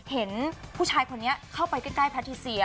เห็นผู้ชายคนนี้เข้าไปใกล้แพทิเซีย